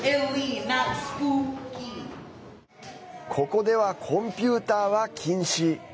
ここではコンピューターは禁止。